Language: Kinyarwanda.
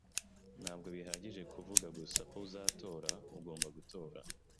Ntabwo bihagije kuvuga gusa ko uzatora. Ugomba gutora.